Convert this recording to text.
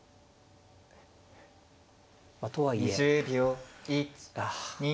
まあとはいえあ。